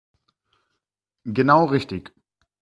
Genau richtig.